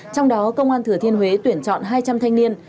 trong đó công an thừa thiên huế tuyển chọn hai trăm linh thanh niên